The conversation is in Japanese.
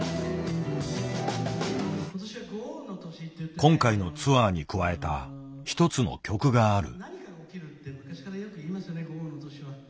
今回のツアーに加えた一つの曲がある。